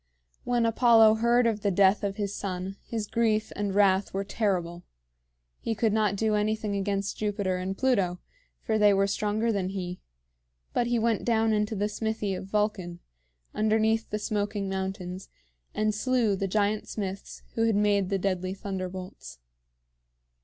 When Apollo heard of the death of his son, his grief and wrath were terrible. He could not do anything against Jupiter and Pluto, for they were stronger than he; but he went down into the smithy of Vulcan, underneath the smoking mountains, and slew the giant smiths who had made the deadly thunderbolts.